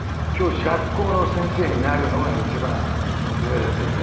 学校の先生になるのが一番夢だったみたいで。